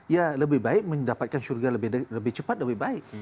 ya lebih baik mendapatkan surga lebih cepat lebih baik